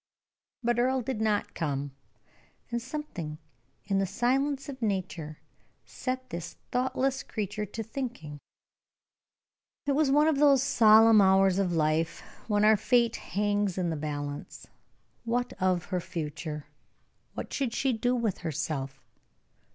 But Earle did not come, and something in the silence of nature set this thoughtless creature to thinking. It was one of those solemn hours of life when our fate hangs in the balance. What of her future? What should she do with herself?